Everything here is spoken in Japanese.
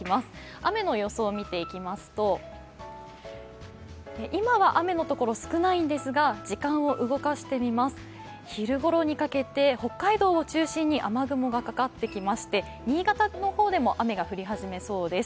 雨の予想を見ていきますと、今は雨のところ少ないんですが時間を動かしてみます、昼ごろにかけて北海道を中心に雨雲がかかってきまして新潟の方でも雨が降り始めそうです。